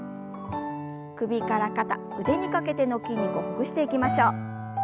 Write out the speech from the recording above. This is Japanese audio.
首から肩腕にかけての筋肉をほぐしていきましょう。